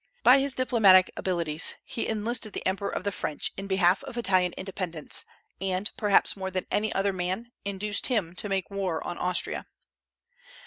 By his diplomatic abilities he enlisted the Emperor of the French in behalf of Italian independence, and, perhaps more than any other man, induced him to make war on Austria.